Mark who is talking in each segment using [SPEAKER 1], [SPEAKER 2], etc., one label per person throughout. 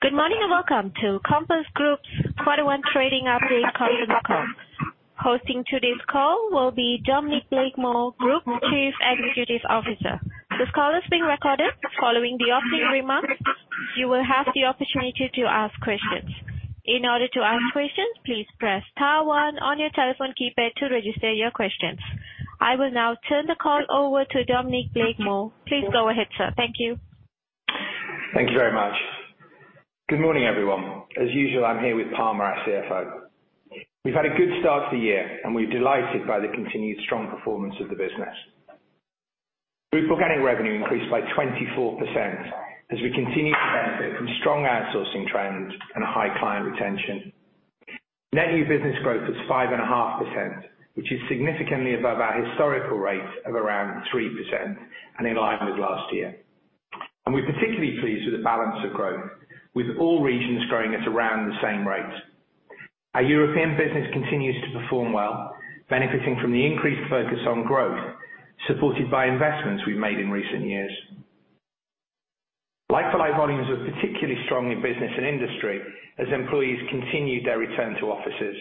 [SPEAKER 1] Good morning, and welcome to Compass Group's Q1 trading update conference call. Hosting today's call will be Dominic Blakemore, Group Chief Executive Officer. This call is being recorded. Following the opening remarks, you will have the opportunity to ask questions. In order to ask questions, please press star one on your telephone keypad to register your questions. I will now turn the call over to Dominic Blakemore. Please go ahead, sir. Thank you.
[SPEAKER 2] Thank you very much. Good morning, everyone. As usual, I'm here with Palmer, our CFO. We've had a good start to the year, and we're delighted by the continued strong performance of the business. Group organic revenue increased by 24% as we continue to benefit from strong outsourcing trends and high client retention. Net new business growth was 5.5%, which is significantly above our historical rate of around 3% and in line with last year. We're particularly pleased with the balance of growth, with all regions growing at around the same rate. Our European business continues to perform well, benefiting from the increased focus on growth, supported by investments we've made in recent years. Like for like volumes were particularly strong in Business & Industry as employees continued their return to offices,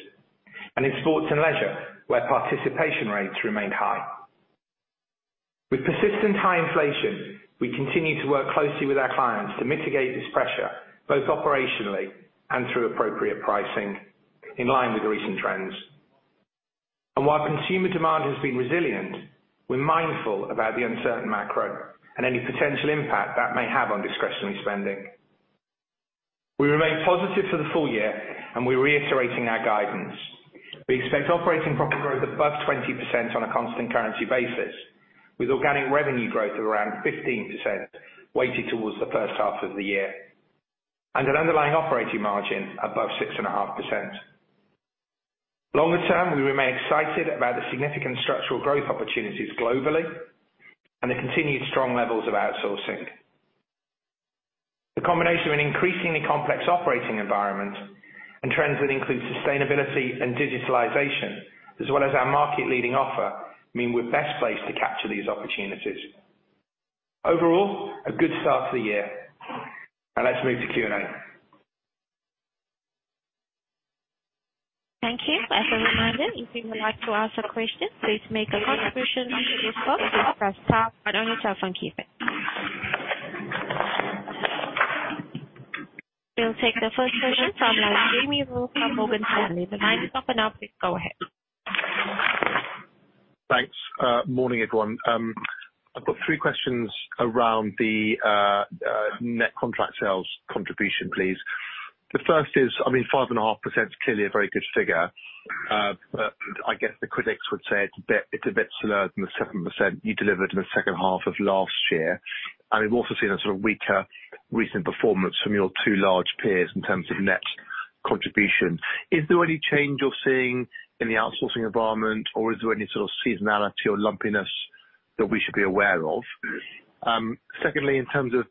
[SPEAKER 2] and in sports and leisure, where participation rates remained high. With persistent high inflation, we continue to work closely with our clients to mitigate this pressure, both operationally and through appropriate pricing in line with the recent trends. While consumer demand has been resilient, we're mindful about the uncertain macro and any potential impact that may have on discretionary spending. We remain positive for the full year, and we're reiterating our guidance. We expect operating profit growth above 20% on a constant currency basis, with organic revenue growth of around 15% weighted towards the first half of the year, and an underlying operating margin above 6.5%. Longer term, we remain excited about the significant structural growth opportunities globally and the continued strong levels of outsourcing. The combination of an increasingly complex operating environment and trends that include sustainability and digitalization, as well as our market-leading offer, mean we're best placed to capture these opportunities. Overall, a good start to the year. Let's move to Q&A.
[SPEAKER 1] Thank you. As a reminder, if you would like to ask a question, please make a contribution press star one on your telephone keypad. We'll take the first question from line, Jamie Rollo from Morgan Stanley. The line is open now. Please go ahead.
[SPEAKER 3] Thanks. Morning, everyone. I've got three questions around the net contract sales contribution, please. The first is, I mean, 5.5% is clearly a very good figure, but I guess the critics would say it's a bit slower than the 7% you delivered in the second half of last year. We've also seen a sort of weaker recent performance from your two large peers in terms of net contribution. Is there any change you're seeing in the outsourcing environment, or is there any sort of seasonality or lumpiness that we should be aware of? Secondly, in terms of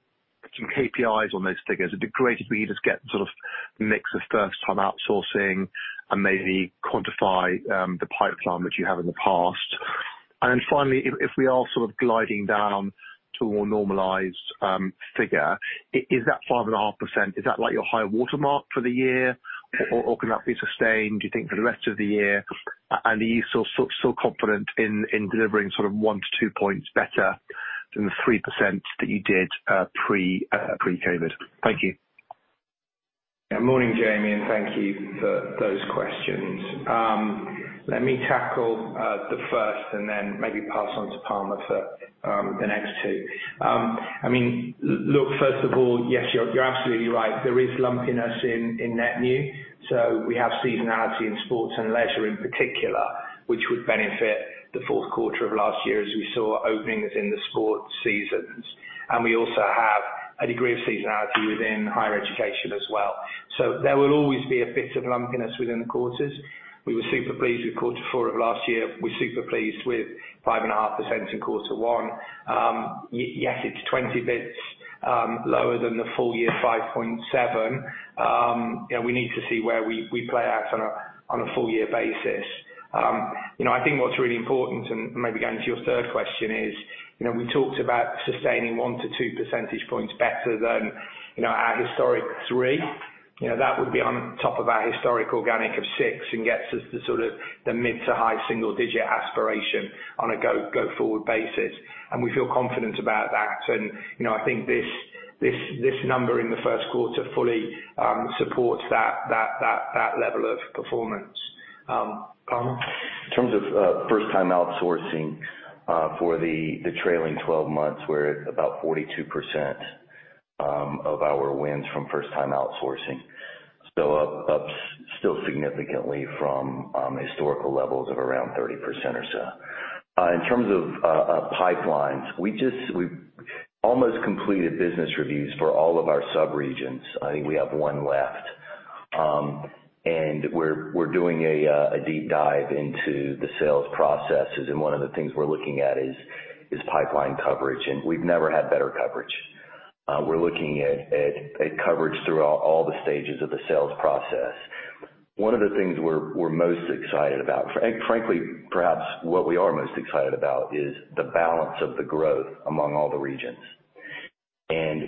[SPEAKER 3] some KPIs on those figures, would it be great if we could just get sort of mix of first time outsourcing and maybe quantify the pipeline that you have in the past? Finally, if we are sort of gliding down to a more normalized figure, is that 5.5%, is that like your high-water mark for the year or can that be sustained, do you think for the rest of the year? Are you still confident in delivering sort of one to two points better than the 3% that you did pre-COVID? Thank you.
[SPEAKER 2] Morning, Jamie, thank you for those questions. Let me tackle the first then maybe pass on to Palmer for the next two. I mean, look, first of all, yes, you're absolutely right. There is lumpiness in net new. We have seasonality in sports and leisure in particular, which would benefit the fourth quarter of last year as we saw openings in the sports seasons. We also have a degree of seasonality within higher education as well. There will always be a bit of lumpiness within the quarters. We were super pleased with quarter four of last year. We're super pleased with 5.5% in quarter one. Yes, it's 20 basis points lower than the full-year 5.7%. You know, we need to see where we play out on a full-year basis. You know, I think what's really important, and maybe going to your third question is, you know, we talked about sustaining 1 to 2 percentage points better than, you know, our historic three. You know, that would be on top of our historic organic of six and gets us the sort of the mid to high single-digit aspiration on a go-forward basis. We feel confident about that. You know, I think this number in the first quarter fully supports that level of performance. Palmer?
[SPEAKER 4] In terms of first-time outsourcing, for the trailing 12 months, we're at about 42% of our wins from first-time outsourcing. Still significantly from historical levels of around 30% or so. In terms of pipelines, we've almost completed business reviews for all of our subregions. I think we have one left. And we're doing a deep dive into the sales processes, and one of the things we're looking at is pipeline coverage, and we've never had better coverage. We're looking at coverage throughout all the stages of the sales process. One of the things we're most excited about, frankly, perhaps what we are most excited about is the balance of the growth among all the regions.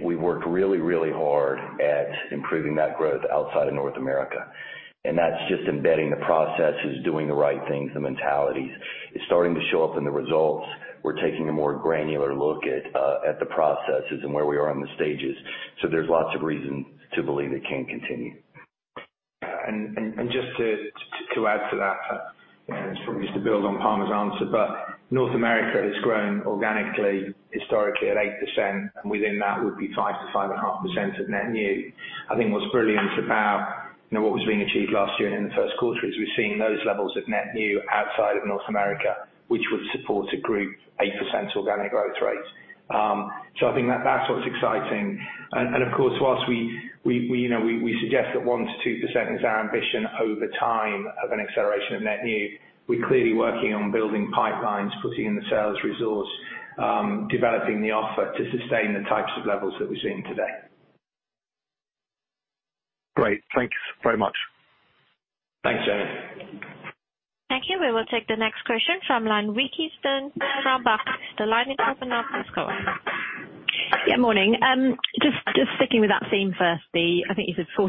[SPEAKER 4] We've worked really, really hard at improving that growth outside of North America, and that's just embedding the processes, doing the right things, the mentalities. It's starting to show up in the results. We're taking a more granular look at the processes and where we are in the stages. There's lots of reason to believe it can continue.
[SPEAKER 2] Just to add to that, and probably just to build on Palmer's answer, North America has grown organically, historically at 8%, and within that would be 5%-5.5% of net new. I think what's brilliant about, you know, what was being achieved last year and in the first quarter is we've seen those levels of net new outside of North America, which would support a group 8% organic growth rate. I think that's what's exciting. Of course, whilst you know, we suggest that 1%-2% is our ambition over time of an acceleration of net new, we're clearly working on building pipelines, putting in the sales resource, developing the offer to sustain the types of levels that we're seeing today.
[SPEAKER 3] Great. Thank you very much.
[SPEAKER 2] Thanks, Jamie.
[SPEAKER 1] Thank you. We will take the next question from line, Vicki Stern from Barclays. The line is open now. Please go ahead.
[SPEAKER 5] Yeah, Morning. Just sticking with that theme firstly, I think you said 42%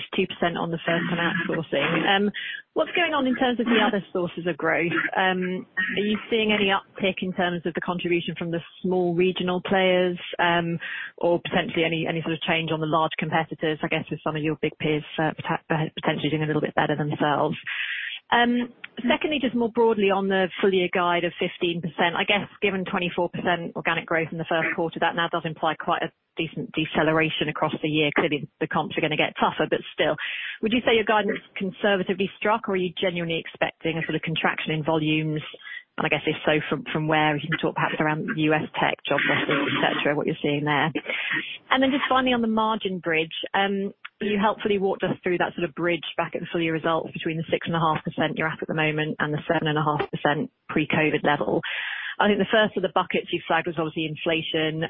[SPEAKER 5] on the first outsourcing. What's going on in terms of the other sources of growth? Are you seeing any uptick in terms of the contribution from the small regional players, or potentially any sort of change on the large competitors, I guess with some of your big peers, potentially doing a little bit better themselves? Secondly, just more broadly on the full year guide of 15%. I guess given 24% organic growth in the first quarter, that now does imply quite a decent deceleration across the year. Clearly, the comps are gonna get tougher, but still. Would you say your guidance is conservatively struck, or are you genuinely expecting a sort of contraction in volumes? I guess if so, from where? We can talk perhaps around U.S. tech job losses, et cetera, and what you're seeing there. Then just finally on the margin bridge, you helpfully walked us through that sort of bridge back at the full-year results between the 6.5% you're at at the moment and the 7.5% pre-COVID level. I think the first of the buckets you flagged was obviously inflation.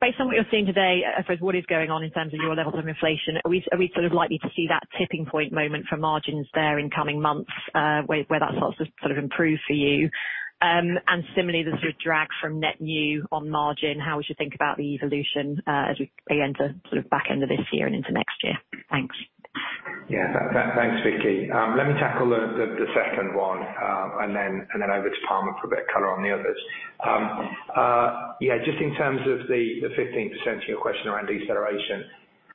[SPEAKER 5] Based on what you're seeing today, first, what is going on in terms of your levels of inflation? Are we sort of likely to see that tipping point moment for margins there in coming months, where that starts to sort of improve for you? Similarly, the sort of drag from net new on margin, how we should think about the evolution, as we enter sort of back end of this year and into next year? Thanks.
[SPEAKER 2] Thanks, Vicki. Let me tackle the second one, and then over to Palmer for a bit of color on the others. Just in terms of the 15% to your question around deceleration.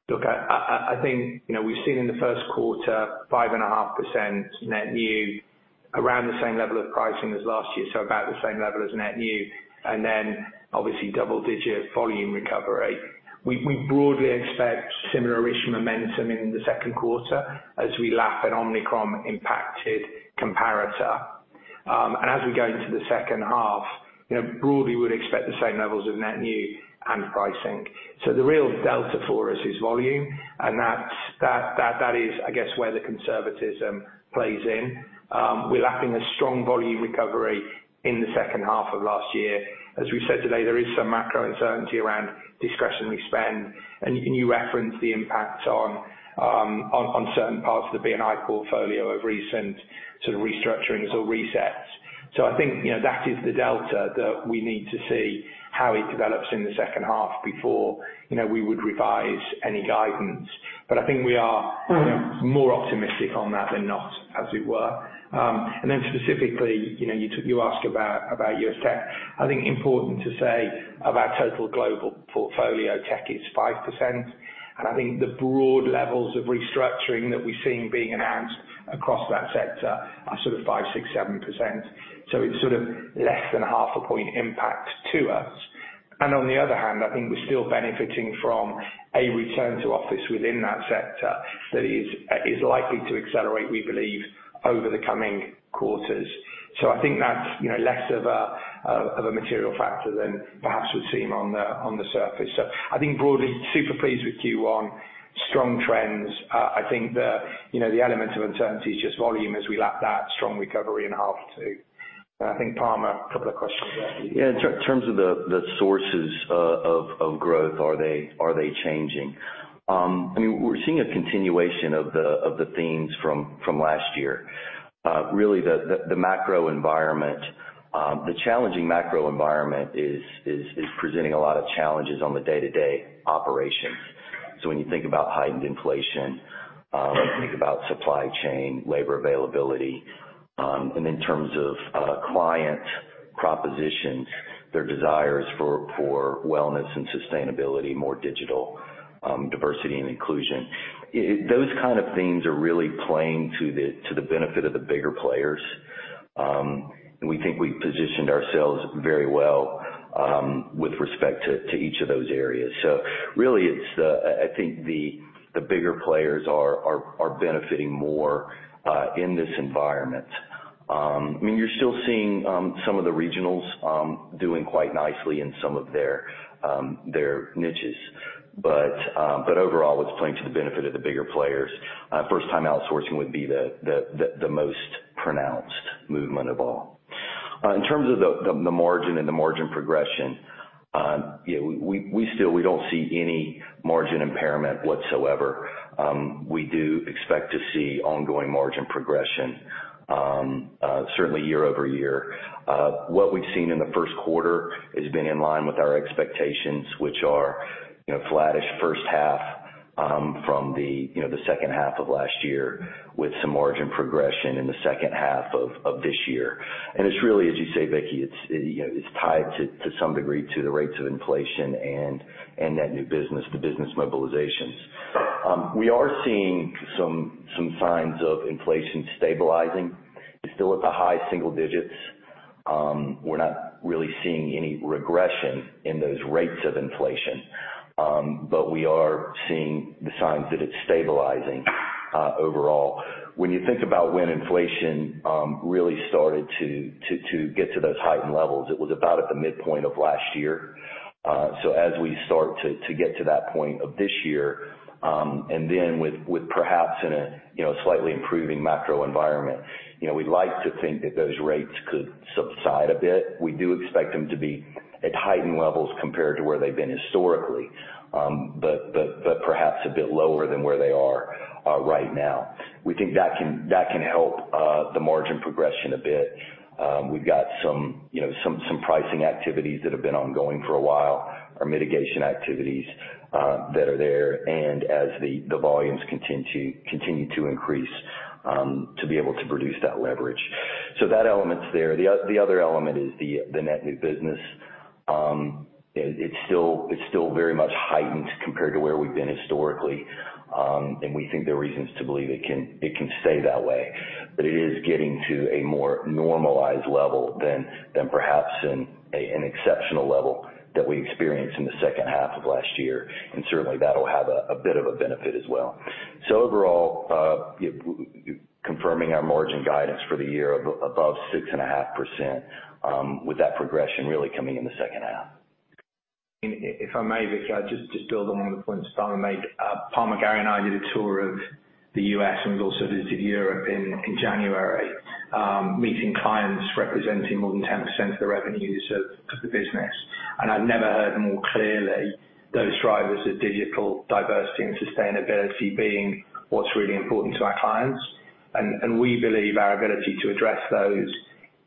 [SPEAKER 2] You know, we've seen in the first quarter 5.5% net new around the same level of pricing as last year, so about the same level as net new, and then obviously double-digit volume recovery. We broadly expect similar-ish momentum in the second quarter as we lap an Omicron-impacted comparator. As we go into the second half, you know, broadly would expect the same levels of net new and pricing. The real delta for us is volume, that is, I guess, where the conservatism plays in. We're lapping a strong volume recovery in the second half of last year. As we said today, there is some macro uncertainty around discretionary spend and you referenced the impact on certain parts of the B&I portfolio of recent sort of restructurings or resets. I think, you know, that is the delta that we need to see how it develops in the second half before, you know, we would revise any guidance. I think we are, you know, more optimistic on that than not, as it were. Specifically, you know, you asked about U.S. tech. I think important to say of our total global portfolio, tech is 5%, and I think the broad levels of restructuring that we're seeing being announced across that sector are sort of 5%, 6%, 7%. It's sort of less than a half a point impact to us. On the other hand, I think we're still benefiting from a return to office within that sector that is likely to accelerate, we believe, over the coming quarters. I think that's, you know, less of a material factor than perhaps would seem on the surface. I think broadly super pleased with Q1, strong trends. I think the, you know, the element of uncertainty is just volume as we lap that strong recovery in half too. I think Palmer, a couple of questions there.
[SPEAKER 4] Yeah. In terms of the sources of growth, are they changing? I mean, we're seeing a continuation of the themes from last year. Really the macro environment, the challenging macro environment is presenting a lot of challenges on the day-to-day operations. When you think about heightened inflation, when you think about supply chain, labor availability, and in terms of client propositions, their desires for wellness and sustainability, more digital, diversity and inclusion. Those kind of things are really playing to the benefit of the bigger players. We think we've positioned ourselves very well with respect to each of those areas. Really I think the bigger players are benefiting more in this environment. I mean, you're still seeing some of the regionals doing quite nicely in some of their niches. Overall it's playing to the benefit of the bigger players. First time outsourcing would be the most pronounced movement of all. In terms of the margin and the margin progression, yeah, we still we don't see any margin impairment whatsoever. We do expect to see ongoing margin progression, certainly year-over-year. What we've seen in the first quarter has been in line with our expectations, which are, you know, flattish first half, from the, you know, the second half of last year with some margin progression in the second half of this year. It's really, as you say, Vicki, it's, you know, it's tied to some degree to the rates of inflation and that new business, the business mobilizations. We are seeing some signs of inflation stabilizing. It's still at the high single digits. We're not really seeing any regression in those rates of inflation. We are seeing the signs that it's stabilizing overall. When you think about when inflation really started to get to those heightened levels, it was about at the midpoint of last year. As we start to get to that point of this year, and then with perhaps in a, you know, slightly improving macro environment, you know, we'd like to think that those rates could subside a bit. We do expect them to be at heightened levels compared to where they've been historically, but perhaps a bit lower than where they are right now. We think that can help the margin progression a bit. We've got some, you know, some pricing activities that have been ongoing for a while, our mitigation activities that are there, and as the volumes continue to increase to be able to produce that leverage. That element's there. The other element is the net new business. It's still very much heightened compared to where we've been historically. We think there are reasons to believe it can stay that way. It is getting to a more normalized level than perhaps an exceptional level that we experienced in the second half of last year. Certainly that'll have a bit of a benefit as well. Overall, confirming our margin guidance for the year above 6.5%, with that progression really coming in the second half.
[SPEAKER 2] If I may, Vicki, I'll just build on one of the points Palmer made. Palmer, Gary, and I did a tour of the U.S., and we also visited Europe in January, meeting clients representing more than 10% of the revenues of the business. I've never heard more clearly those drivers of digital diversity and sustainability being what's really important to our clients. We believe our ability to address those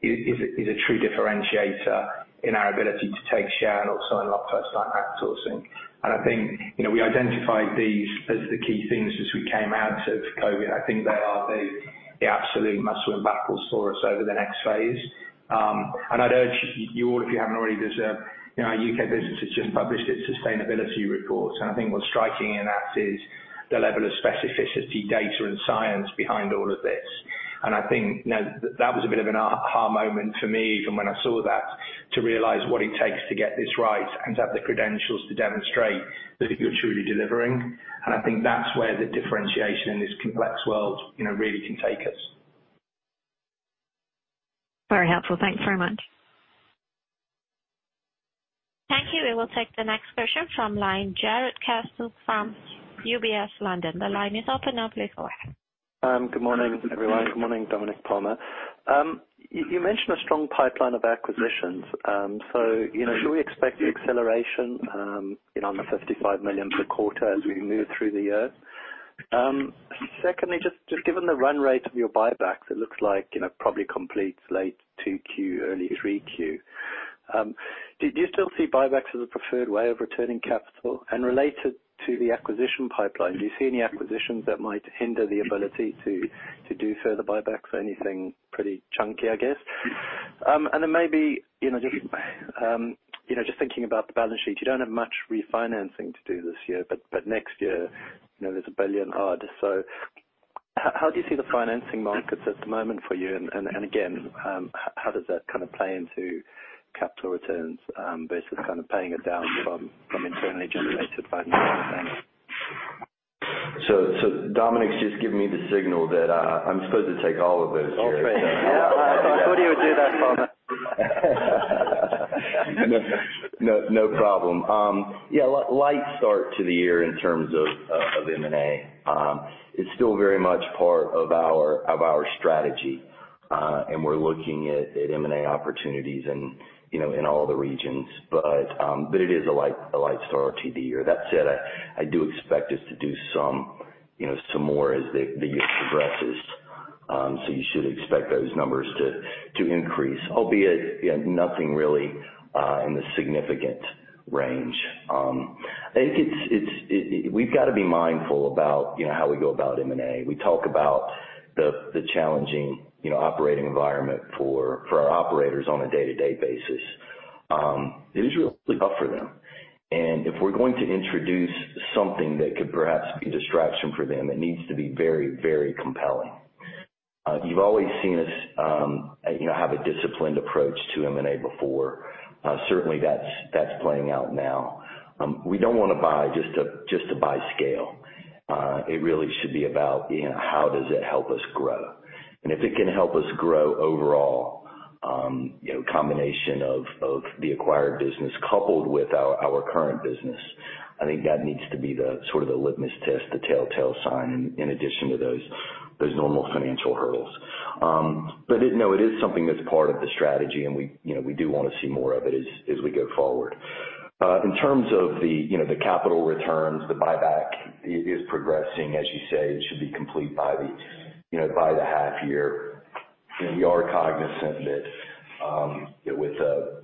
[SPEAKER 2] is a true differentiator in our ability to take share and also unlock first-time outsourcing. I think, you know, I identified these as the key things as we came out of COVID. I think they are the absolute must-win battles for us over the next phase. I'd urge you all, if you haven't already, there's you know, our U.K. business has just published its sustainability report. I think what's striking in that is the level of specificity, data, and science behind all of this. I think that was a bit of an aha moment for me from when I saw that, to realize what it takes to get this right and to have the credentials to demonstrate that you're truly delivering. I think that's where the differentiation in this complex world, you know, really can take us.
[SPEAKER 5] Very helpful. Thanks very much.
[SPEAKER 1] Thank you. We will take the next question from line, Jarrod Castle from UBS London. The line is open. Please go ahead.
[SPEAKER 6] Good morning, everyone. Good morning, Dominic, Palmer. You mentioned a strong pipeline of acquisitions. You know, should we expect the acceleration, you know, on the 55 million per quarter as we move through the year? Secondly, just given the run rate of your buybacks, it looks like, you know, probably completes late 2Q, early 3Q. Do you still see buybacks as a preferred way of returning capital? Related to the acquisition pipeline, do you see any acquisitions that might hinder the ability to do further buybacks or anything pretty chunky, I guess? Maybe, you know, just, you know, just thinking about the balance sheet, you don't have much refinancing to do this year, but next year, you know, there's a 1 billion odd. How do you see the financing markets at the moment for you? Again, how does that kind of play into capital returns, versus kind of paying it down from internally generated financing?
[SPEAKER 4] Dominic's just given me the signal that I'm supposed to take all of those here.
[SPEAKER 2] All three. Yeah. I thought he would do that, Palmer.
[SPEAKER 4] No, no problem. Yeah, light start to the year in terms of M&A. It's still very much part of our strategy, we're looking at M&A opportunities and, you know, in all the regions. It is a light start to the year. That said, I do expect us to do some, you know, some more as the year progresses. You should expect those numbers to increase, albeit, you know, nothing really, in the significant range. I think it's. We've got to be mindful about, you know, how we go about M&A. We talk about the challenging, you know, operating environment for our operators on a day-to-day basis. It is really tough for them. If we're going to introduce something that could perhaps be a distraction for them, it needs to be very, very compelling. You've always seen us, you know, have a disciplined approach to M&A before. Certainly that's playing out now. We don't wanna buy just to buy scale. It really should be about, you know, how does it help us grow? If it can help us grow overall, you know, combination of the acquired business coupled with our current business. I think that needs to be the sort of the litmus test, the telltale sign in addition to those normal financial hurdles. No, it is something that's part of the strategy, and we, you know, we do wanna see more of it as we go forward. In terms of the, you know, the capital returns, the buyback is progressing. As you say, it should be complete by the, you know, by the half year. We are cognizant that, with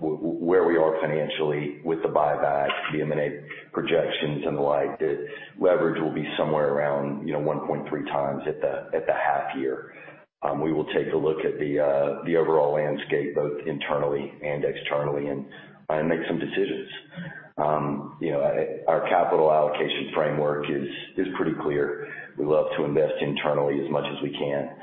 [SPEAKER 4] where we are financially with the buyback, the M&A projections and the like, that leverage will be somewhere around, you know, 1.3x at the, at the half year. We will take a look at the overall landscape, both internally and externally, and make some decisions. You know, our capital allocation framework is pretty clear. We love to invest internally as much as we can.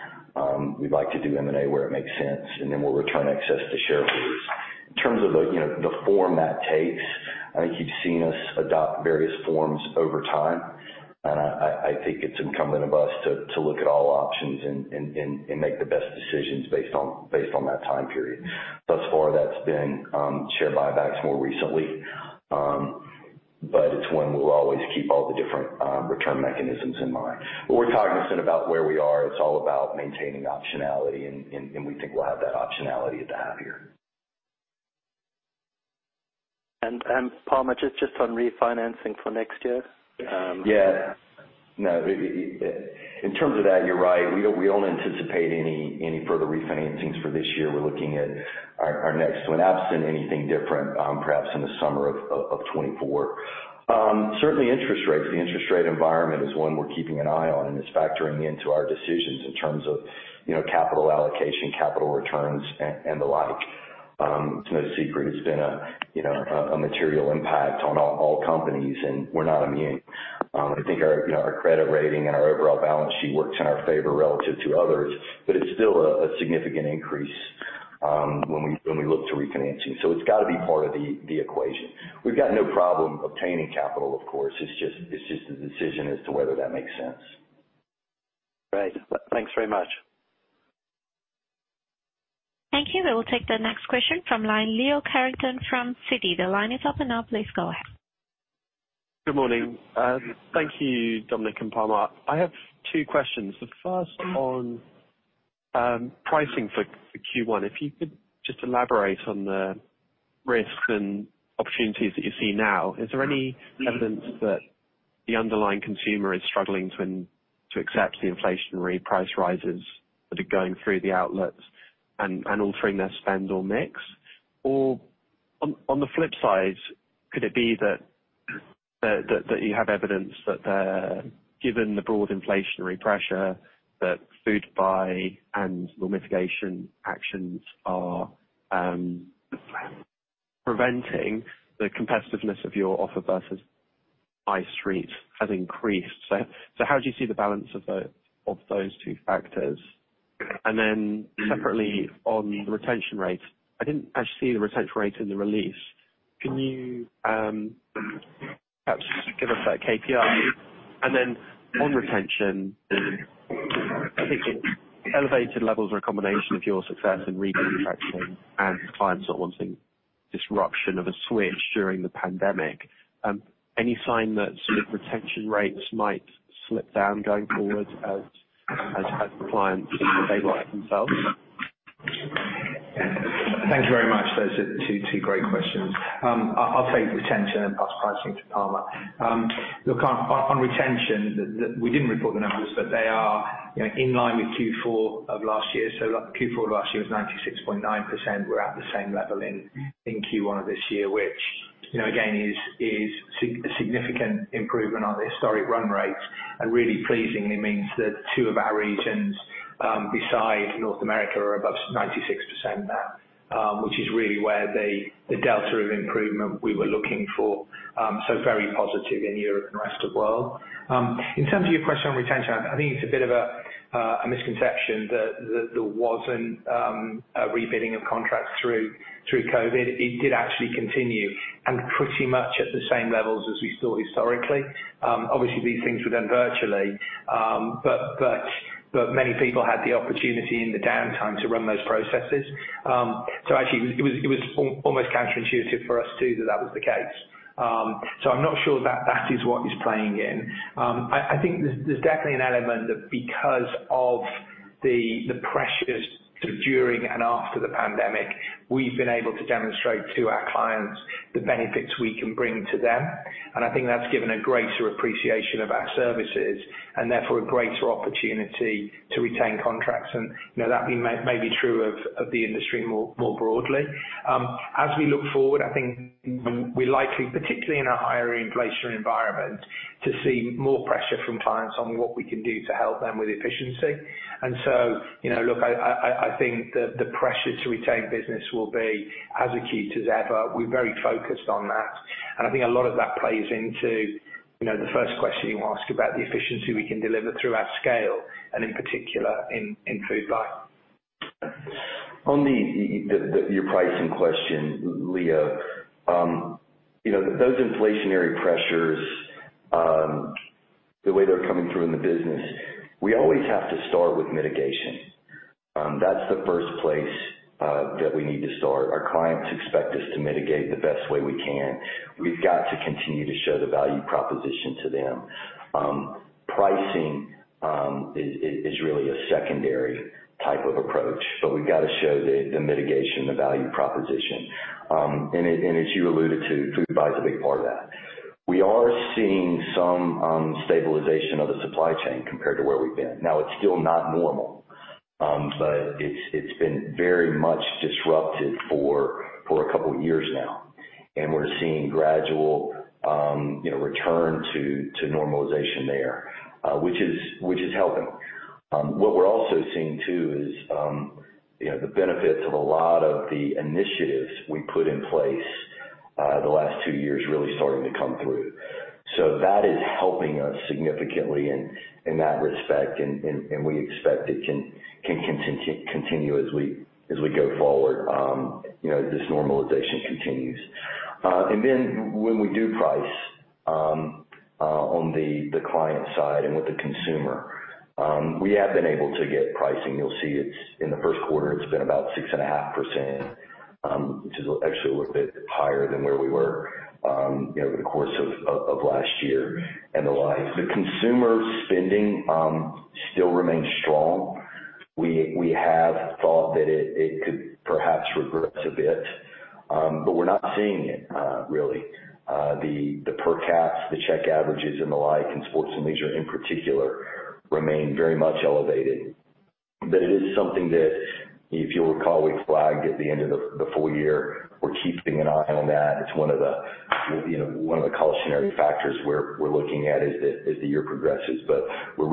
[SPEAKER 4] We'd like to do M&A where it makes sense, and then we'll return access to shareholders. In terms of the, you know, the form that takes, I think you've seen us adopt various forms over time, and I think it's incumbent of us to look at all options and make the best decisions based on, based on that time period. Thus far, that's been share buybacks more recently. It's one we'll always keep all the different return mechanisms in mind. We're cognizant about where we are. It's all about maintaining optionality and we think we'll have that optionality at the half year.
[SPEAKER 6] Palmer, just on refinancing for next year?
[SPEAKER 4] No, in terms of that, you're right. We don't anticipate any further refinancings for this year. We're looking at our next one, absent anything different, perhaps in the summer of 2024. Certainly interest rates. The interest rate environment is one we're keeping an eye on and is factoring into our decisions in terms of, you know, capital allocation, capital returns and the like. It's no secret it's been a, you know, a material impact on all companies, and we're not immune. I think our, you know, our credit rating and our overall balance sheet works in our favor relative to others, but it's still a significant increase when we look to refinancing. It's gotta be part of the equation. We've got no problem obtaining capital, of course. It's just the decision as to whether that makes sense.
[SPEAKER 6] Great. Thanks very much.
[SPEAKER 1] Thank you. We will take the next question from line, Leo Carrington from Citi. The line is open now. Please go ahead.
[SPEAKER 7] Good morning. Thank you, Dominic and Palmer. I have two questions. The first on pricing for Q1. If you could just elaborate on the risks and opportunities that you see now. Is there any evidence that the underlying consumer is struggling to accept the inflationary price rises that are going through the outlets and altering their spend or mix? On the flip side, could it be that you have evidence that given the broad inflationary pressure that Foodbuy and mitigation actions are preventing the competitiveness of your offer versus High Street has increased? How do you see the balance of those two factors? Separately on the retention rates, I didn't actually see the retention rate in the release. Can you perhaps give us that KPI? On retention, I think elevated levels are a combination of your success in recontracting and clients not wanting disruption of a switch during the pandemic. Any sign that sort of retention rates might slip down going forward as clients stabilize themselves?
[SPEAKER 2] Thank you very much. Those are two great questions. I'll take retention and pass pricing to Palmer. Look on retention, we didn't report the numbers, but they are, you know, in line with Q4 of last year. Q4 of last year was 96.9%. We're at the same level in Q1 of this year, which, you know, again, is significant improvement on the historic run rates and really pleasingly means that two of our regions, besides North America, are above 96% now, which is really where the delta of improvement we were looking for. Very positive in Europe and rest of world. In terms of your question on retention, I think it's a bit of a misconception that there wasn't a rebidding of contracts through COVID. It did actually continue and pretty much at the same levels as we saw historically. Obviously these things were done virtually. Many people had the opportunity in the downtime to run those processes. Actually it was almost counterintuitive for us too, that that was the case. I'm not sure that that is what is playing in. I think there's definitely an element that because of the pressures sort of during and after the pandemic, we've been able to demonstrate to our clients the benefits we can bring to them. I think that's given a greater appreciation of our services and therefore a greater opportunity to retain contracts. You know, that may be true of the industry more broadly. As we look forward, I think we're likely, particularly in a higher inflationary environment, to see more pressure from clients on what we can do to help them with efficiency. You know, look, I think the pressure to retain business will be as acute as ever. We're very focused on that. I think a lot of that plays into, you know, the first question you asked about the efficiency we can deliver through our scale and in particular in Foodbuy.
[SPEAKER 4] On your pricing question, Leo, you know, those inflationary pressures, the way they're coming through in the business, we always have to start with mitigation. That's the first place that we need to start. Our clients expect us to mitigate the best way we can. We've got to continue to show the value proposition to them. Pricing is really a secondary type of approach, but we've got to show the mitigation, the value proposition. As you alluded to, Foodbuy is a big part of that. We are seeing some stabilization of the supply chain compared to where we've been. It's still not normal, but it's been very much disrupted for a couple of years now. We're seeing gradual, you know, return to normalization there, which is helping. What we're also seeing too is, you know, the benefits of a lot of the initiatives we put in place, the last two years really starting to come through. That is helping us significantly in that respect, and we expect it can continue as we go forward, you know, as this normalization continues. When we do price, on the client side and with the consumer, we have been able to get pricing. You'll see it's in the first quarter, it's been about 6.5%, which is actually a little bit higher than where we were, you know, over the course of last year and the like. The consumer spending still remains strong. We have thought that it could perhaps regress a bit, but we're not seeing it really. The per caps, the check averages and the like in sports and leisure in particular remain very much elevated. It is something that if you'll recall, we flagged at the end of the full year. We're keeping an eye on that. It's one of the, you know, one of the cautionary factors we're looking at as the year progresses, we're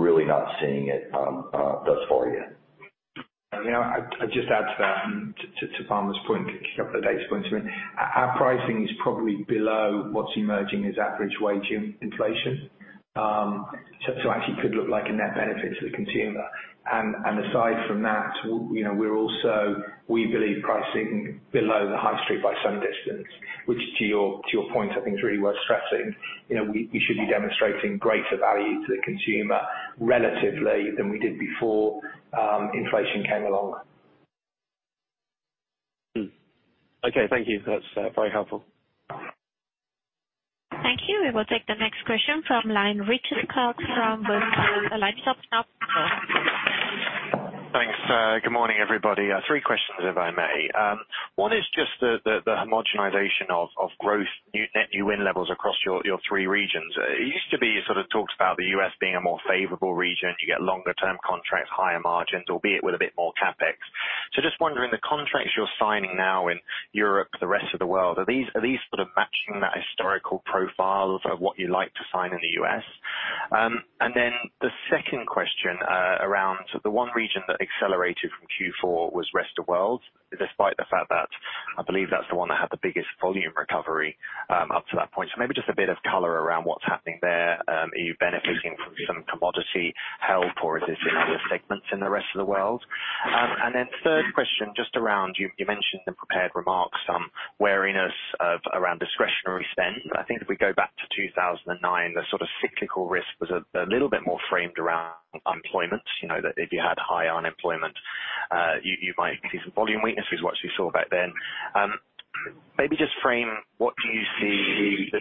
[SPEAKER 4] really not seeing it thus far yet.
[SPEAKER 2] You know, I'd just add to that and to Palmer's point, a couple of data points. I mean, our pricing is probably below what's emerging as average wage in-inflation. So actually could look like a net benefit to the consumer. Aside from that, you know, we're also, we believe pricing below the high street by some distance, which to your point, I think is really worth stressing. You know, we should be demonstrating greater value to the consumer relatively than we did before inflation came along.
[SPEAKER 7] Okay. Thank you. That's very helpful.
[SPEAKER 1] Thank you. We will take the next question from line, Richard Clarke from Bernstein. The line is open now. Please go ahead.
[SPEAKER 8] Thanks. Good morning, everybody. Three questions, if I may. One is just the homogenization of growth net new win levels across your three regions. It used to be sort of talks about the U.S. being a more favorable region. You get longer term contracts, higher margins, albeit with a bit more CapEx. Just wondering, the contracts you're signing now in Europe, the rest of the world, are these sort of matching that historical profile of what you like to sign in the U.S.? The second question, around the one region that accelerated from Q4 was rest of world, despite the fact that I believe that's the one that had the biggest volume recovery up to that point. Maybe just a bit of color around what's happening there? Are you benefiting from some commodity help or is this in other segments in the rest of the world? Third question, just around you mentioned the prepared remarks, some wariness of around discretionary spend. I think if we go back to 2009, the sort of cyclical risk was a little bit more framed around employment. You know, that if you had high unemployment, you might see some volume weakness, is what you saw back then. Maybe just frame, what do you see the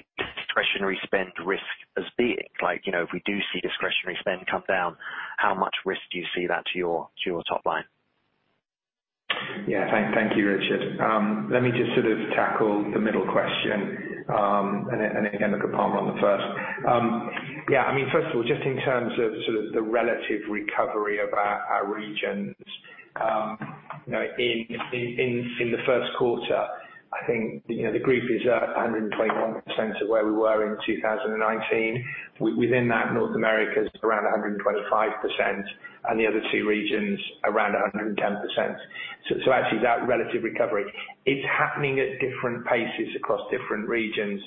[SPEAKER 8] discretionary spend risk as being? Like, you know, if we do see discretionary spend come down, how much risk do you see that to your top line?
[SPEAKER 2] Thank you, Richard. Let me just sort of tackle the middle question, and then again look at Palmer on the first. I mean, first of all, just in terms of sort of the relative recovery of our regions, you know, in the first quarter, I think, you know, the group is at 121% of where we were in 2019. Within that, North America is around 125%, and the other two regions around 110%. Actually that relative recovery, it's happening at different paces across different regions,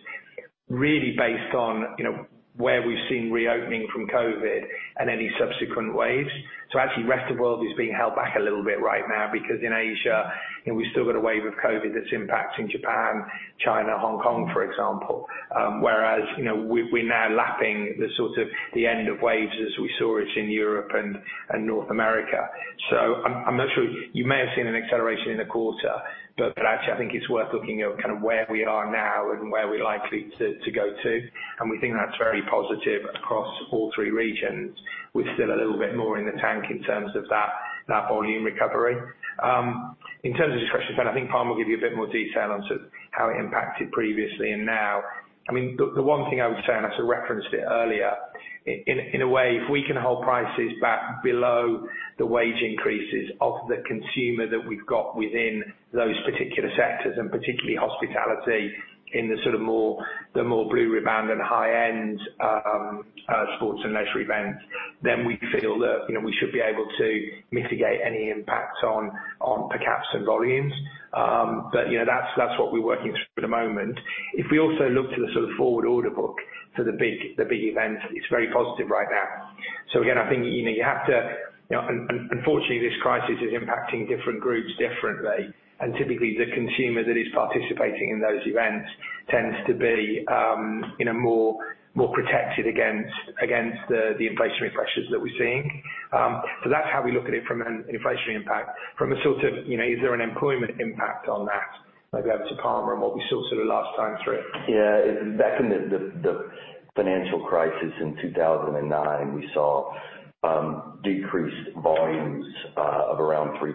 [SPEAKER 2] really based on, you know, where we've seen reopening from COVID and any subsequent waves. Actually, rest of world is being held back a little bit right now because in Asia, you know, we've still got a wave of COVID that's impacting Japan, China, Hong Kong, for example. Whereas, you know, we're now lapping the sort of the end of waves as we saw it in Europe and North America. I'm not sure, you may have seen an acceleration in the quarter, but actually I think it's worth looking at kind of where we are now and where we're likely to go to. We think that's very positive across all three regions. We're still a little bit more in the tank in terms of that volume recovery. In terms of discretionary spend, I think Palmer will give you a bit more detail on sort of how it impacted previously and now. I mean, the one thing I would say, and I sort of referenced it earlier, in a way, if we can hold prices back below the wage increases of the consumer that we've got within those particular sectors, and particularly hospitality in the sort of more, the more blue ribbon and high-end sports and leisure events, then we feel that, you know, we should be able to mitigate any impact on per caps and volumes. You know, that's what we're working through at the moment. If we also look to the sort of forward order book for the big events, it's very positive right now. Again, I think, you know, you have to, unfortunately, this crisis is impacting different groups differently. Typically the consumer that is participating in those events tends to be, you know, more protected against the inflationary pressures that we're seeing. That's how we look at it from an inflationary impact. From a sort of, you know, is there an employment impact on that? Maybe I have to Palmer on what we saw sort of last time through.
[SPEAKER 4] Yeah. Back in the financial crisis in 2009, we saw decreased volumes of around 3%.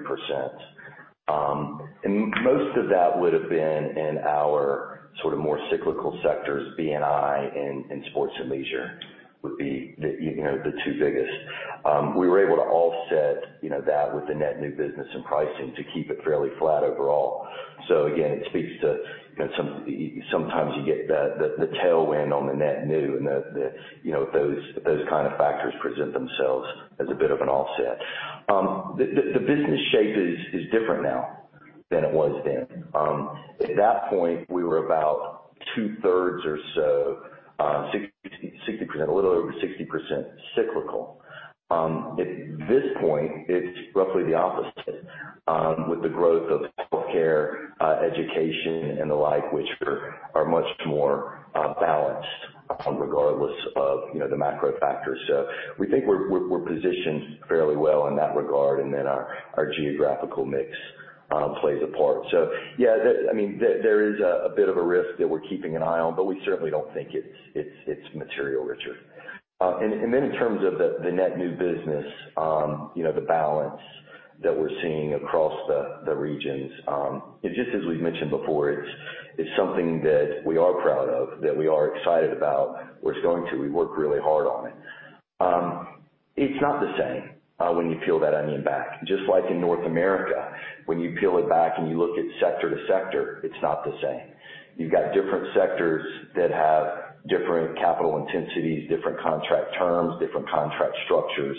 [SPEAKER 4] Most of that would have been in our sort of more cyclical sectors, B&I and sports and leisure would be, you know, the two biggest. We were able to offset, you know, that with the net new business and pricing to keep it fairly flat overall. Again, it speaks to, you know, sometimes you get the tailwind on the net new and, you know, those kind of factors present themselves as a bit of an offset. The business shape is different now than it was then. At that point, we were about two-thirds or so, 60%, a little over 60% cyclical. At this point, it's roughly the opposite, with the growth of healthcare, education and the like, which are much more balanced regardless of, you know, the macro factors. We think we're positioned fairly well in that regard, and then our geographical mix plays a part. Yeah, I mean, there is a bit of a risk that we're keeping an eye on, but we certainly don't think it's material, Richard. Then in terms of the net new business, you know, the balance that we're seeing across the regions, just as we've mentioned before, it's something that we are proud of, that we are excited about what's going to. We work really hard on it. It's not the same when you peel that onion back. Just like in North America, when you peel it back and you look at sector to sector, it's not the same. You've got different sectors that have different capital intensities, different contract terms, different contract structures.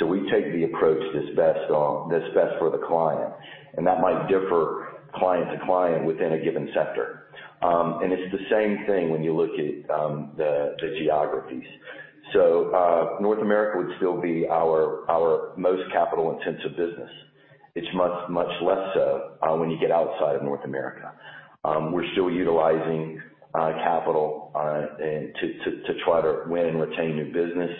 [SPEAKER 4] We take the approach that's best for the client, and that might differ client to client within a given sector. It's the same thing when you look at the geographies. North America would still be our most capital-intensive business. It's much less so when you get outside of North America. We're still utilizing capital and to try to win and retain new business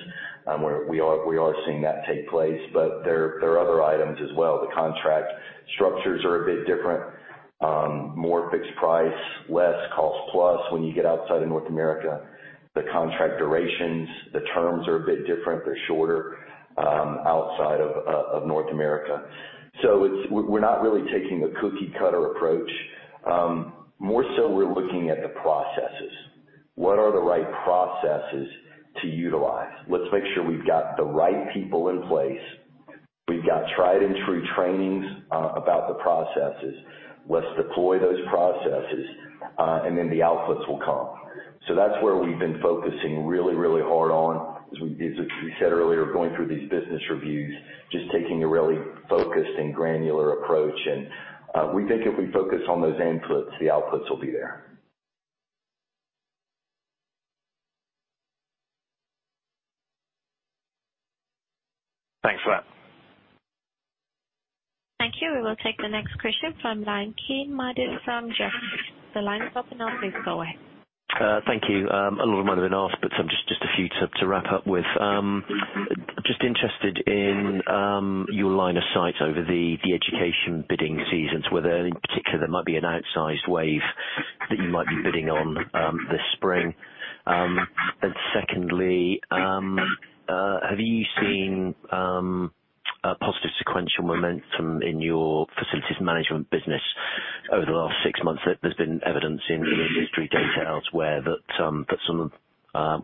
[SPEAKER 4] where we are seeing that take place. There are other items as well. The contract structures are a bit different, more fixed price, less cost plus when you get outside of North America. The contract durations, the terms are a bit different. They're shorter, outside of North America. We're not really taking a cookie-cutter approach. More so we're looking at the processes. What are the right processes to utilize? Let's make sure we've got the right people in place. We've got tried and true trainings about the processes. Let's deploy those processes, and then the outputs will come. That's where we've been focusing really, really hard on, as we said earlier, going through these business reviews, just taking a really focused and granular approach. We think if we focus on those inputs, the outputs will be there.
[SPEAKER 8] Thanks for that.
[SPEAKER 1] Thank you. We will take the next question from line, Kean Marden from Jefferies. The line is open now. Please go ahead.
[SPEAKER 9] Thank you. A lot might have been asked, but some just a few to wrap up with. Just interested in your line of sight over the education bidding seasons. Were there any particular there might be an outsized wave that you might be bidding on this spring? Secondly, have you seen a positive sequential momentum in your facilities management business over the last six months? That there's been evidence in history data elsewhere that some of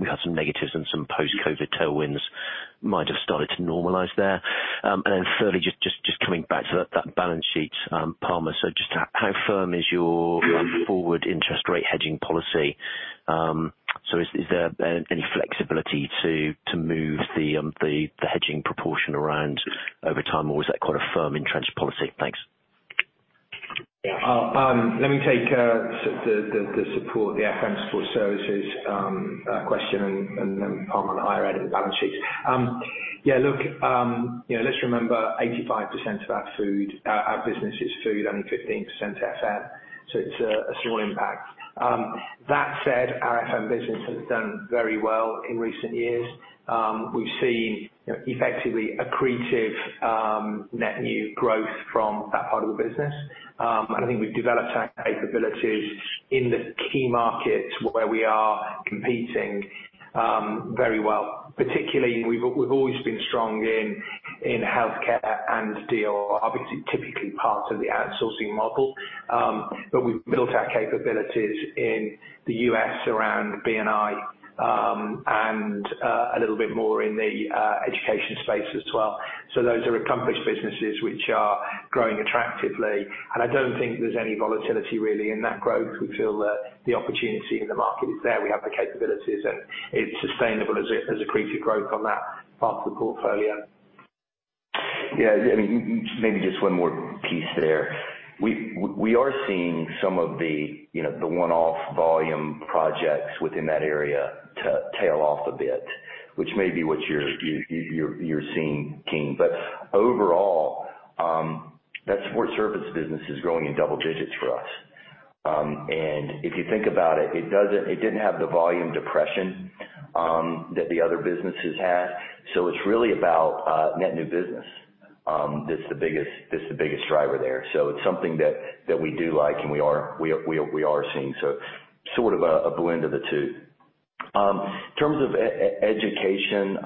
[SPEAKER 9] we had some negatives and some post-COVID tailwinds might have started to normalize there. Thirdly, just coming back to that balance sheet, Palmer. Just how firm is your forward interest rate hedging policy? Is there any flexibility to move the hedging proportion around over time, or is that quite a firm entrenched policy? Thanks.
[SPEAKER 2] Yeah. Let me take the support, the FM support services question and then Palmer on the higher end of the balance sheets. Yeah, look, you know, let's remember 85% of our business is food, only 15% FM. It's a small impact. That said, our FM business has done very well in recent years. We've seen, you know, effectively accretive net new growth from that part of the business. I think we've developed our capabilities in the key markets where we are competing very well. Particularly, we've always been strong in healthcare and deal, obviously, typically parts of the outsourcing model. We've built our capabilities in the U.S. around B&I, and a little bit more in the education space as well. Those are accomplished businesses which are growing attractively. I don't think there's any volatility really in that growth. We feel that the opportunity in the market is there. We have the capabilities, and it's sustainable as accretive growth on that part of the portfolio.
[SPEAKER 4] Maybe just one more piece there. We are seeing some of the, you know, the one-off volume projects within that area to tail off a bit, which may be what you're seeing, Keane. Overall, that support service business is growing in double digits for us. If you think about it didn't have the volume depression that the other businesses had. It's really about net new business that's the biggest driver there. It's something that we do like, and we are seeing. Sort of a blend of the two. In terms of education,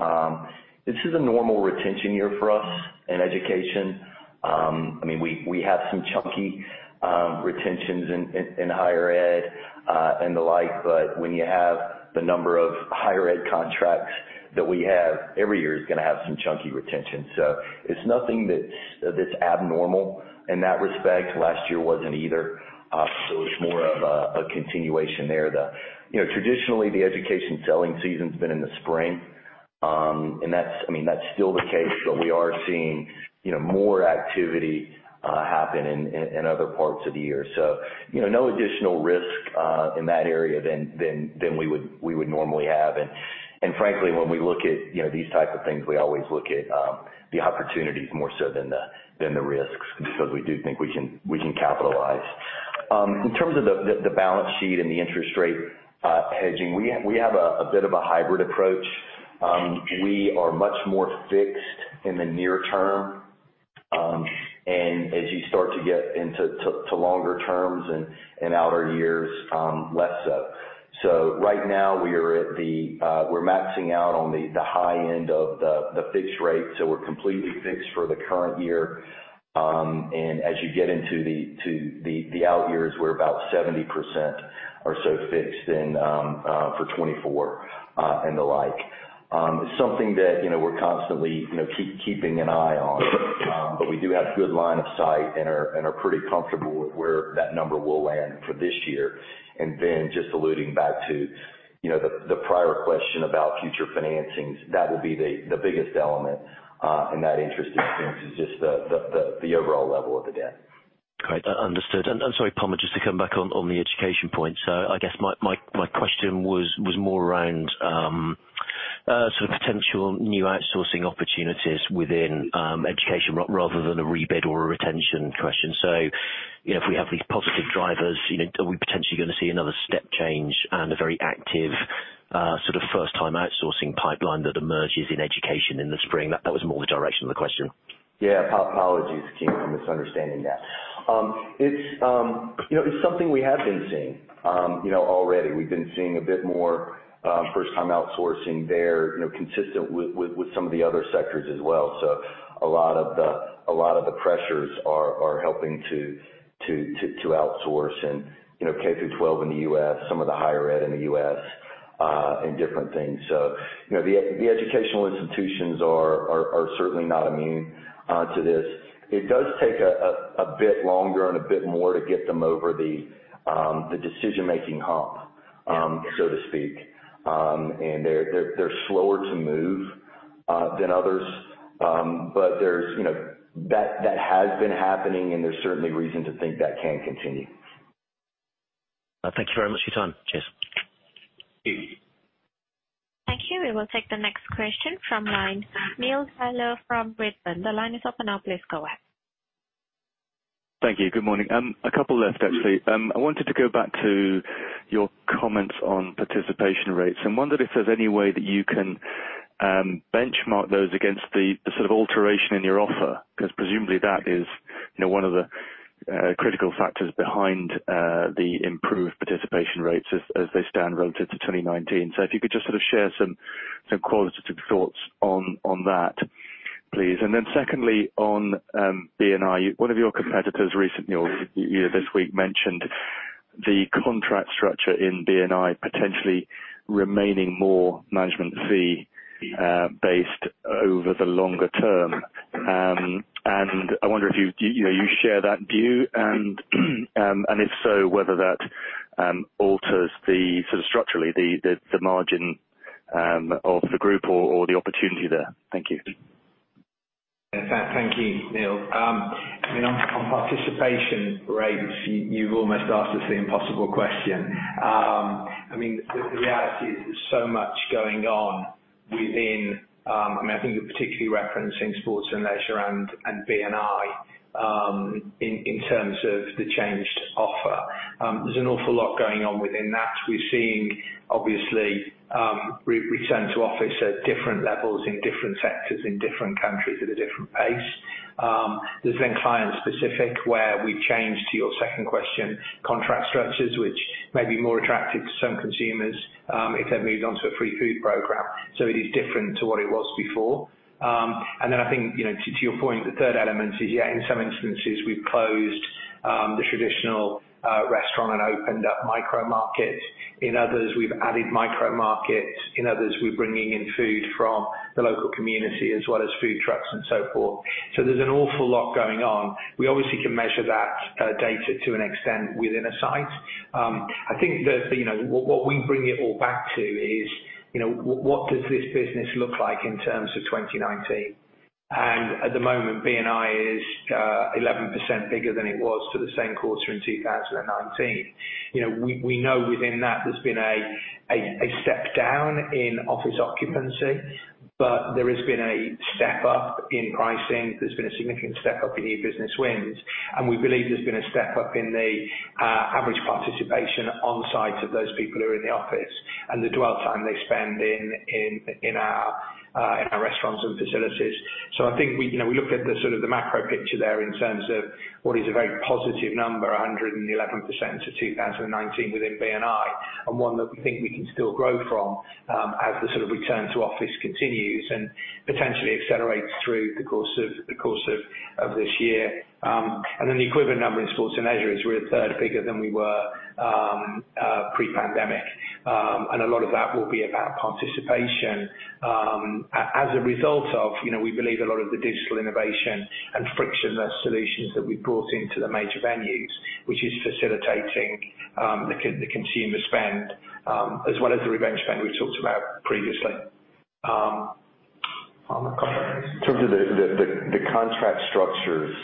[SPEAKER 4] this is a normal retention year for us in education. I mean, we have some chunky retentions in higher ed and the like, but when you have the number of higher ed contracts that we have, every year is gonna have some chunky retention. It's nothing that's abnormal in that respect. Last year wasn't either. It's more of a continuation there. You know, traditionally, the education selling season's been in the spring. That's, I mean, that's still the case, but we are seeing, you know, more activity happen in other parts of the year. You know, no additional risk in that area than we would normally have. Frankly, when we look at, you know, these type of things, we always look at the opportunities more so than the risks because we do think we can capitalize. In terms of the balance sheet and the interest rate hedging, we have a bit of a hybrid approach. We are much more fixed in the near term, and as you start to get into longer terms and outer years, less so. Right now we are at the we're maxing out on the high end of the fixed rate, so we're completely fixed for the current year. As you get into the out years, we're about 70% or so fixed for 2024 and the like. Something that, you know, we're constantly, you know, keeping an eye on, but we do have good line of sight and are pretty comfortable with where that number will land for this year. Just alluding back to, you know, the prior question about future financings, that will be the biggest element in that interest expense is just the overall level of the debt.
[SPEAKER 9] Great. Understood. Sorry, Palmer, just to come back on the education point. I guess my question was more around sort of potential new outsourcing opportunities within education rather than a rebid or a retention question. You know, if we have these positive drivers, you know, are we potentially gonna see another step change and a very active sort of first-time outsourcing pipeline that emerges in education in the spring? That was more the direction of the question.
[SPEAKER 4] Yeah. Apologies, Kean, for misunderstanding that. It's, you know, it's something we have been seeing, you know, already. We've been seeing a bit more first-time outsourcing there, you know, consistent with some of the other sectors as well. A lot of the, a lot of the pressures are helping to outsource and, you know, K-12 in the U.S., some of the higher ed in the U.S. and different things. You know, the educational institutions are certainly not immune to this. It does take a bit longer and a bit more to get them over the decision-making hump, so to speak. And they're slower to move than others. There's, you know, that has been happening, and there's certainly reason to think that can continue.
[SPEAKER 9] Thank you very much for your time. Cheers.
[SPEAKER 1] Thank you. We will take the next question from line, Neil Tyler from Redburn. The line is open now. Please go ahead.
[SPEAKER 10] Thank you. Good morning. A couple left, actually. I wanted to go back to your comments on participation rates and wondered if there's any way that you can benchmark those against the sort of alteration in your offer, 'cause presumably that is, you know, one of the critical factors behind the improved participation rates as they stand relative to 2019. If you could just sort of share some qualitative thoughts on that, please. Secondly, on B&I, one of your competitors recently or this week mentioned the contract structure in B&I potentially remaining more management fee based over the longer term. I wonder if you know, you share that view and if so, whether that alters the sort of structurally the margin of the group or the opportunity there. Thank you.
[SPEAKER 2] Thank you, Neil. I mean, on participation rates, you've almost asked us the impossible question. I mean, the reality is there's so much going on within, I mean, I think you're particularly referencing sports and leisure and B&I, in terms of the changed offer. There's an awful lot going on within that. We're seeing obviously, return to office at different levels in different sectors in different countries at a different pace. There's then client specific where we've changed to your second question, contract structures which may be more attractive to some consumers, if they've moved on to a free food program. It is different to what it was before. I think, to your point, the third element is, in some instances we've closed the traditional restaurant and opened up micro-market. In others, we've added micro-market. In others, we're bringing in food from the local community as well as food trucks and so forth. There's an awful lot going on. We obviously can measure that data to an extent within a site. I think that we bring it all back to is what does this business look like in terms of 2019? At the moment, B&I is 11% bigger than it was for the same quarter in 2019. We know within that there's been a step down in office occupancy, but there has been a step up in pricing. There's been a significant step-up in e-business wins, and we believe there's been a step up in the average participation on sites of those people who are in the office and the dwell time they spend in our restaurants and facilities. I think we, you know, we looked at the sort of the macro picture there in terms of what is a very positive number, 111% to 2019 within B&I, and one that we think we can still grow from as the sort of return to office continues and potentially accelerates through the course of. Of this year. The equivalent number in sports and leisure is we're a third bigger than we were pre-pandemic. A lot of that will be about participation, as a result of, you know, we believe a lot of the digital innovation and frictionless solutions that we've brought into the major venues, which is facilitating the consumer spend, as well as the revenge spend we've talked about previously.
[SPEAKER 4] In terms of the contract structures,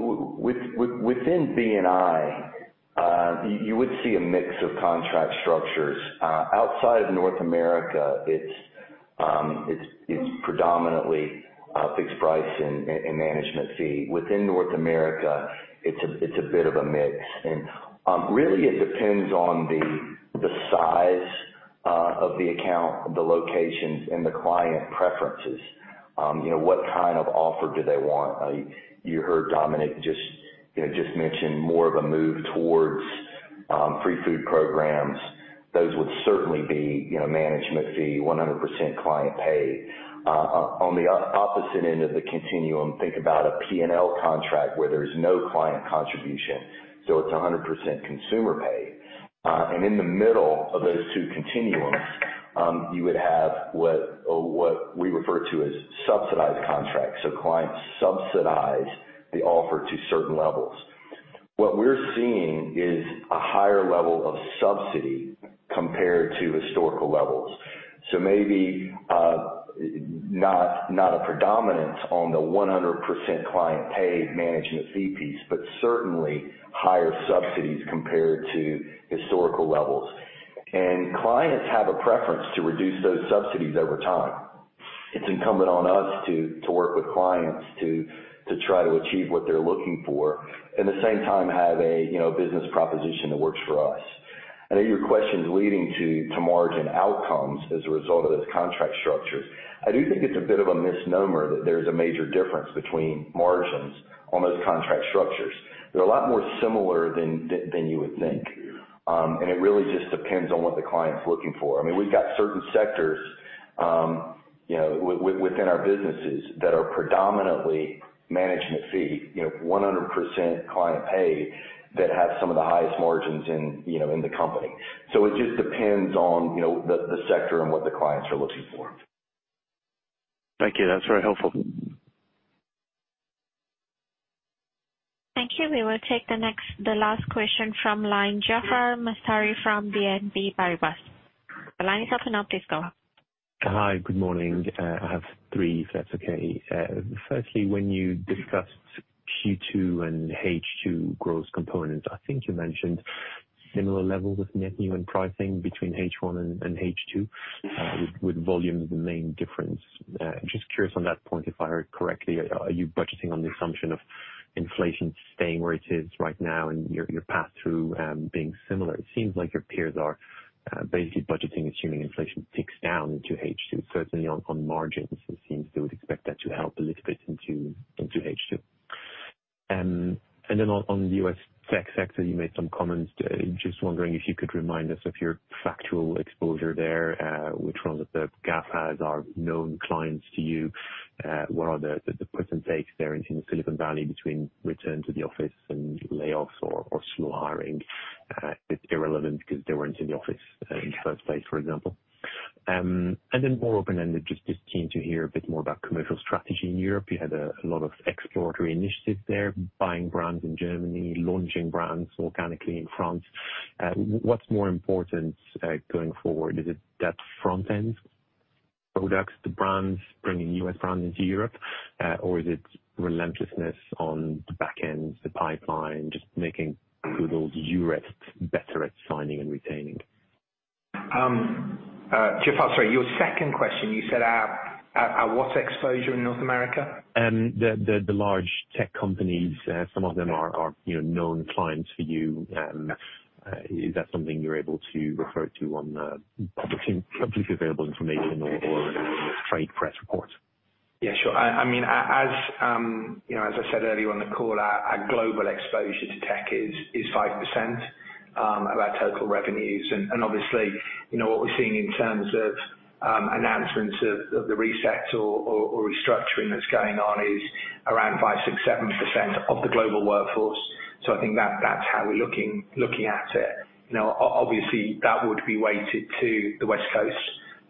[SPEAKER 4] within B&I, you would see a mix of contract structures. Outside of North America, it's predominantly fixed price and management fee. Within North America, it's a bit of a mix. Really it depends on the size of the account, the locations, and the client preferences. You know, what kind of offer do they want? You heard Dominic just, you know, mention more of a move towards free food programs. Those would certainly be, you know, management fee, 100% client paid. On the opposite end of the continuum, think about a P&L contract where there's no client contribution, so it's 100% consumer paid. In the middle of those two continuums, you would have what we refer to as subsidized contracts. Clients subsidize the offer to certain levels. What we're seeing is a higher level of subsidy compared to historical levels. Maybe not a predominance on the 100% client paid management fee piece, but certainly higher subsidies compared to historical levels. Clients have a preference to reduce those subsidies over time. It's incumbent on us to work with clients to try to achieve what they're looking for, at the same time, have a, you know, business proposition that works for us. I know your question's leading to margin outcomes as a result of those contract structures. I do think it's a bit of a misnomer that there's a major difference between margins on those contract structures. They're a lot more similar than you would think. It really just depends on what the client's looking for. I mean, we've got certain sectors, you know, within our businesses that are predominantly management fee, you know, 100% client paid that have some of the highest margins in, you know, in the company. It just depends on, you know, the sector and what the clients are looking for.
[SPEAKER 10] Thank you. That's very helpful.
[SPEAKER 1] Thank you. We will take the last question from line, Jaafar Mestari from BNP Paribas. The line is open now, please go.
[SPEAKER 11] Hi, good morning. I have three, if that's okay. Firstly, when you discussed Q2 and H2 growth components, I think you mentioned similar levels of net new and pricing between H1 and H2, with volume the main difference. Just curious on that point, if I heard correctly, are you budgeting on the assumption of inflation staying where it is right now and your path through being similar? It seems like your peers are basically budgeting, assuming inflation ticks down into H2, certainly on margins, it seems they would expect that to help a little bit into H2. On the U.S. tech sector, you made some comments. Just wondering if you could remind us of your factual exposure there. Which one of the GAFAs are known clients to you? What are the puts and takes there in Silicon Valley between return to the office and layoffs or slow hiring? It's irrelevant because they weren't in the office in the first place, for example. More open-ended, keen to hear a bit more about commercial strategy in Europe. You had a lot of exploratory initiatives there, buying brands in Germany, launching brands organically in France. What's more important going forward? Is it that front end products to brands, bringing U.S. brands into Europe? Is it relentlessness on the back end, the pipeline, just making good old Eurest better at signing and retaining?
[SPEAKER 2] Jaafar, sorry, your second question, you said our what exposure in North America?
[SPEAKER 11] The large tech companies, some of them are, you know, known clients for you. Is that something you're able to refer to on the publicly available information or trade press reports?
[SPEAKER 2] Yeah, sure. I mean, as, you know, as I said earlier on the call, our global exposure to tech is 5%, of our total revenues. Obviously, you know, what we're seeing in terms of announcements of the reset or restructuring that's going on is around 5%, 6%, 7% of the global workforce. I think that's how we're looking at it. You know, obviously, that would be weighted to the West Coast.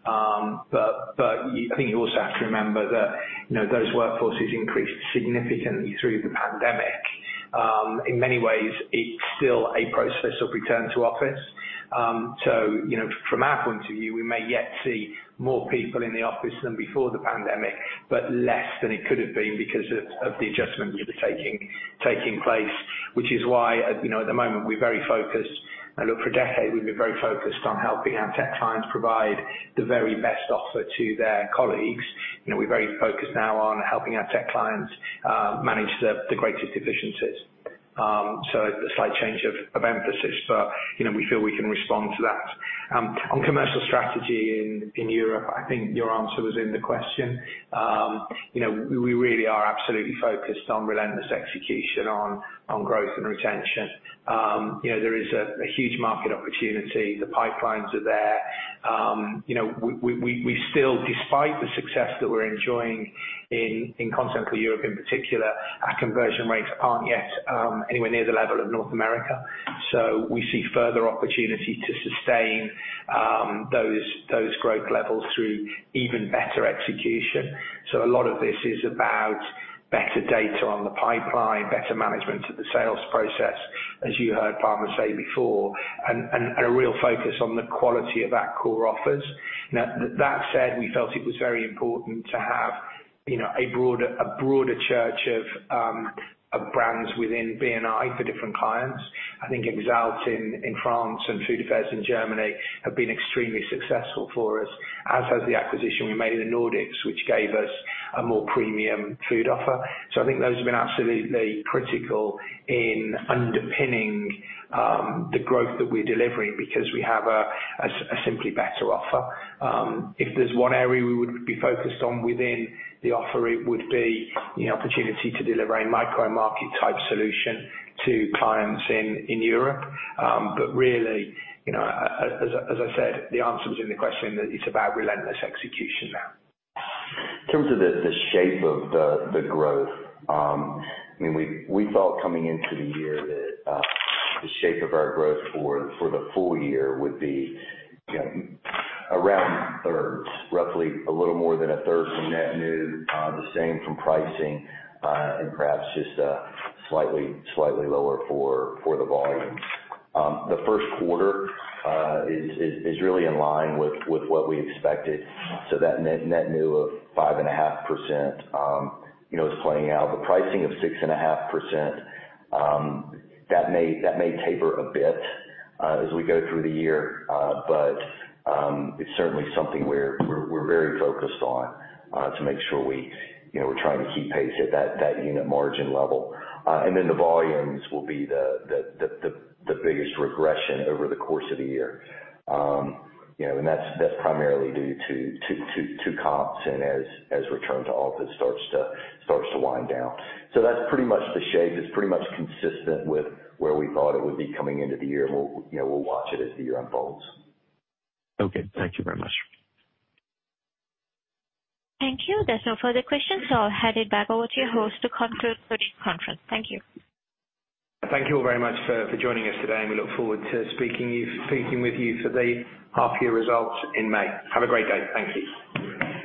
[SPEAKER 2] But I think you also have to remember that, you know, those workforces increased significantly through the pandemic. In many ways, it's still a process of return to office. You know, from our point of view, we may yet see more people in the office than before the pandemic, but less than it could have been because of the adjustments which are taking place. Which is why, you know, at the moment, we're very focused. Look, for a decade, we've been very focused on helping our tech clients provide the very best offer to their colleagues. You know, we're very focused now on helping our tech clients manage the greatest efficiencies. A slight change of emphasis, but, you know, we feel we can respond to that. On commercial strategy in Europe, I think your answer was in the question. You know, we really are absolutely focused on relentless execution on growth and retention. You know, there is a huge market opportunity. The pipelines are there. You know, we still, despite the success that we're enjoying in Continental Europe in particular, our conversion rates aren't yet anywhere near the level of North America. We see further opportunity to sustain those growth levels through even better execution. A lot of this is about better data on the pipeline, better management of the sales process, as you heard Palmer say before, and a real focus on the quality of our core offers. That said, we felt it was very important to have, you know, a broader church of brands within B&I for different clients. I think Exalt in France and Food Affairs in Germany have been extremely successful for us, as has the acquisition we made in the Nordics, which gave us a more premium food offer. I think those have been absolutely critical in underpinning the growth that we're delivering because we have a simply better offer. If there's one area we would be focused on within the offer, it would be the opportunity to deliver a micro-market type solution to clients in Europe. Really, you know, as I said, the answer was in the question that it's about relentless execution now.
[SPEAKER 4] In terms of the shape of the growth, I mean, we thought coming into the year that the shape of our growth for the full year would be, you know, around thirds, roughly a little more than a third from net new, the same from pricing, and perhaps just slightly lower for the volume. The 1st quarter is really in line with what we expected, so that net new of 5.5%, you know, is playing out. The pricing of 6.5% that may taper a bit as we go through the year. It's certainly something we're very focused on to make sure we, you know, we're trying to keep pace at that unit margin level. The volumes will be the biggest regression over the course of the year. You know, that's primarily due to comps and as return to office starts to wind down. That's pretty much the shape. It's pretty much consistent with where we thought it would be coming into the year, and we'll, you know, we'll watch it as the year unfolds.
[SPEAKER 11] Okay. Thank you very much.
[SPEAKER 1] Thank you. There's no further questions. I'll hand it back over to your host to conclude today's conference. Thank you.
[SPEAKER 2] Thank you all very much for joining us today. We look forward to speaking with you for the half year results in May. Have a great day. Thank you.